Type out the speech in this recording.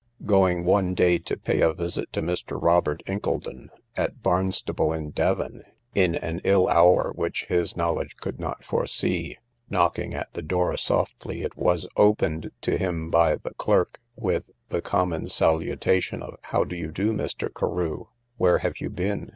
Going one day to pay a visit to Mr. Robert Incledon, at Barnstaple in Devon, (in an ill hour which his knowledge could not foresee,) knocking at the door softly, it was, opened to him by the clerk, with the common salutation of How do you do, Mr. Carew? where have you been?